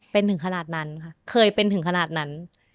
เป็นถึงขนาดนั้นค่ะเคยเป็นถึงขนาดนั้น